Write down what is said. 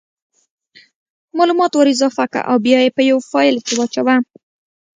مالومات ور اضافه که او بیا یې په یو فایل کې واچوه